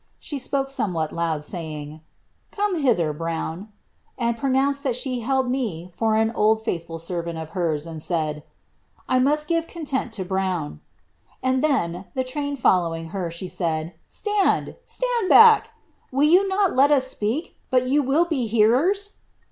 She spoke somewhat loud, saying, Dome hither. Brown,' and pronounced that she held me for an old ithful servant of hers, and said, ^ 1 must give content to Brown ;' and len, the train following her, she said, ^ Stand — stand back ! Will you oc Jet us speak, but you will be hearers